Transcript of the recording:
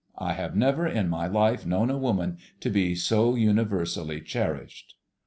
I have never in my life known a woman to be so universally cherished.